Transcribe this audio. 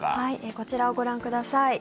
こちらをご覧ください。